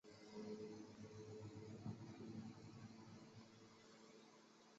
西藏噶厦的决定遭到中央政府的反对。